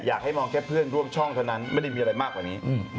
อยากให้มองแค่เพื่อนร่วมช่องเท่านั้นไม่ได้มีอะไรมากกว่านี้